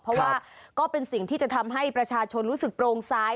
เพราะว่าก็เป็นสิ่งที่จะทำให้ประชาชนรู้สึกโปร่งซ้าย